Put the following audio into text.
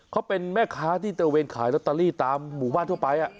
เขาเป็นแม่ค้าที่ตระเวนขายลอตเตอรี่ตามหมู่บ้านทั่วไป